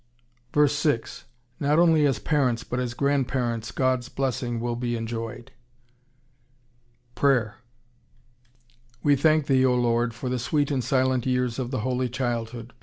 v. 6. Not only as parents but as grandparents God's blessing will be enjoyed. PRAYER We thank Thee, O Lord, For the sweet and silent years of the Holy Childhood.